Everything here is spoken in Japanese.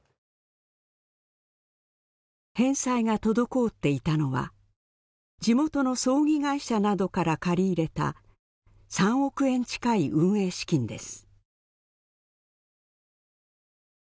返済が滞っていたのは地元の葬儀会社などから借り入れた３億円近い運営資金です。